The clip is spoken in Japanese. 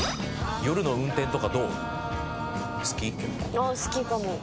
あっ好きかも。